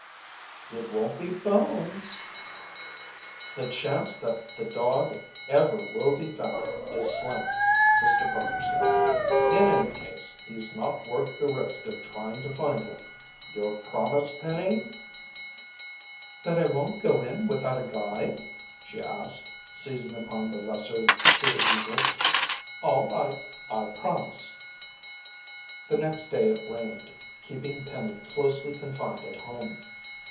"It won't be Bones." "The chance that the dog ever will be found is slim," Mr. Parker said. "In any case, he's not worth the risk of trying to find him. Your promise, Penny?" "That I won't go in without a guide?" she asked, seizing upon the lesser of two evils. "All right, I promise." The next day it rained, keeping Penny closely confined at home.